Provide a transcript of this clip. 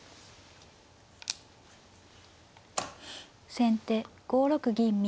先手５六銀右。